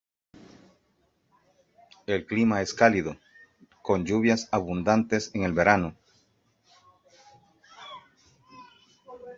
El clima es cálido, con lluvias abundantes en el verano.